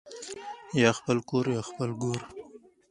ـ يا خپل کور يا خپل ګور.